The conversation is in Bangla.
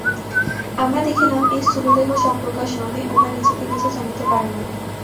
আমরা দেখিলাম এই স্থূলদেহ স্বপ্রকাশ নহে, উহা নিজেকে নিজে জানিতে পারে না।